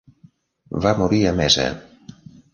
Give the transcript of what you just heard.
Va morir a Mesa.